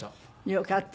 よかった。